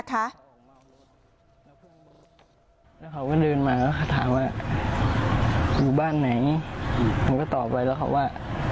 แล้วเขาก็เดินมาแล้วเขาถามว่าอยู่บ้านไหนผมก็ตอบไว้แล้วเขาว่า